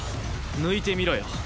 抜いてみろよ。